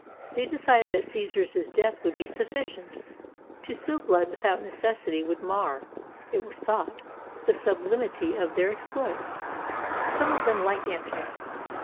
They decided that Caesar's death would be suffi cient. To spill blood without necessity would mar, it was thought, the sublimity of their exploits. Some of them liked Antony.